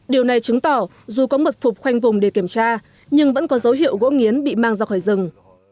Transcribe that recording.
điều này chứng tỏ dù có mật phục khoanh vùng để kiểm tra nhưng vẫn có dấu hiệu gỗ nghiến bị mang ra khỏi rừng